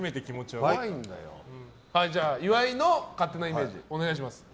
じゃあ、岩井の勝手なイメージお願いします。